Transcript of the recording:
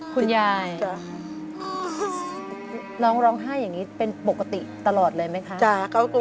คุณยายน้องร้องไห้อย่างนี้เป็นปกติตลอดเลยไหมคะ